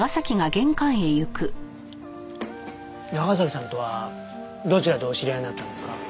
長崎さんとはどちらでお知り合いになったんですか？